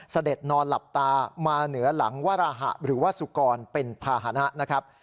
เสด็จนอนหลับตามาเหนือหลังวรหะหรือว่าสุกรเป็นภาษณะนะครับ